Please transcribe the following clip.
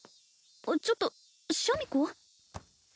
ちょっとシャミ子？